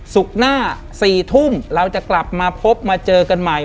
ศุกร์หน้า๔ทุ่มเราจะกลับมาพบมาเจอกันใหม่